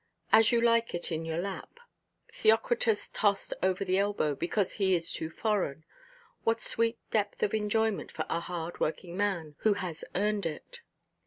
"As You Like It," in your lap, Theocritus tossed over the elbow, because he is too foreign,—what sweet depth of enjoyment for a hard–working man who has earned it!